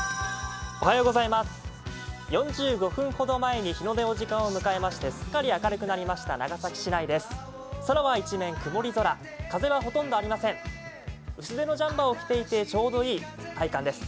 ４５分ほど前に日の出の時間を迎えましてすっかり明るくなりました、長崎市内です。